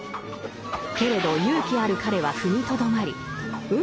けれど勇気ある彼は踏みとどまり運